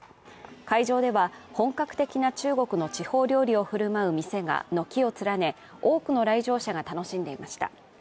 会場では本格的な中国の地方料理を振る舞う店が軒を連ね、多くの来場者が楽しんでいました。